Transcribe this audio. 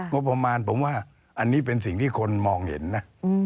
งบประมาณผมว่าอันนี้เป็นสิ่งที่คนมองเห็นนะ